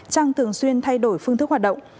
trang thường xuyên thay đổi phương thức hoạt động